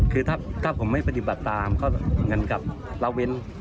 คือถ้าเท่าผมไม่ปฏิบัติตามเขาเงินกลับล้าเว้น